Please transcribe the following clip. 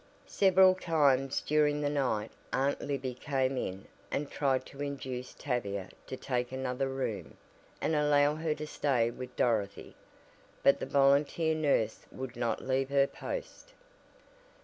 Several times during the night Aunt Libby came in and tried to induce Tavia to take another room, and allow her to stay with Dorothy, but the volunteer nurse would not leave her post.